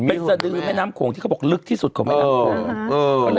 เป็นสดือแม่น้ำโขงที่เขาบอกลึกที่สุดของแม่น้ำโขง